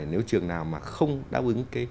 nếu trường nào mà không đáp ứng